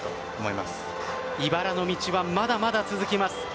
いばらの道はまだまだ続きます。